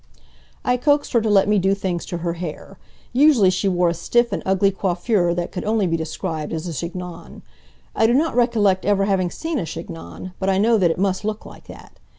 I coaxed her to let me do things to her hair. Usually she wore a stiff and ugly coiffure that could only be described as a chignon. I do not recollect ever having seen a chignon, but I know that it must look like that.